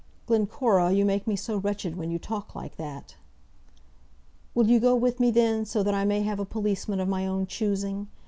"Glencora, you make me so wretched when you talk like that." "Will you go with me, then, so that I may have a policeman of my own choosing?